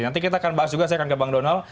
nanti kita akan bahas juga saya akan ke bang donal